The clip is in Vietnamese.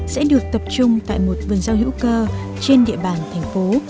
sẽ được tập trung tại một vườn rau hữu cơ trên địa bàn thành phố